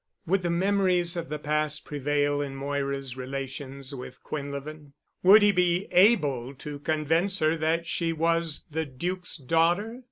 Would the memories of the past prevail in Moira's relations with Quinlevin? Would he be able to convince her that she was the Duc's daughter?